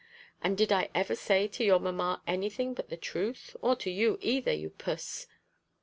"And did I ever say to your mamma anything but the truth? or to you either, you puss?"